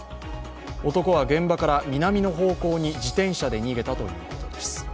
男は現場から南の方向に自転車で逃げたということです。